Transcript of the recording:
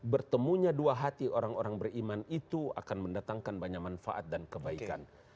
bertemunya dua hati orang orang beriman itu akan mendatangkan banyak manfaat dan kebaikan